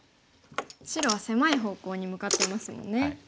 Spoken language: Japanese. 白は狭い方向に向かってますもんね。